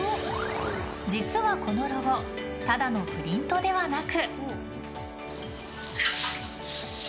実はこのロゴただのプリントではなく。